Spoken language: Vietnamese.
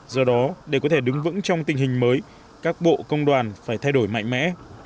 do đó để có thể đứng vững trong tình hình mới các bộ công đoàn phải thay đổi mạnh mẽ